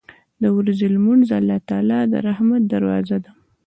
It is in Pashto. • د ورځې لمونځ د الله د رحمت دروازه ده.